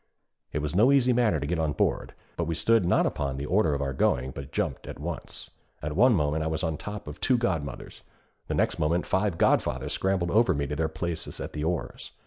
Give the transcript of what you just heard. It was no easy matter to get on board, but we stood not upon the order of our going but jumped at once. At one moment I was on top of two godmothers, the next moment five godfathers scrambled over me to their places at the oars.